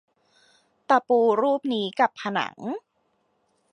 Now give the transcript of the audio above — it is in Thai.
ตะปูรูปนี้กับผนัง